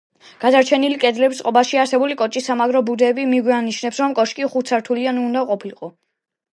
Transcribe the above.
გადარჩენილი კედლების წყობაში არსებული კოჭის სამაგრი ბუდეები მიგვანიშნებს, რომ კოშკი ხუთსართულიანი უნდა ყოფილიყო.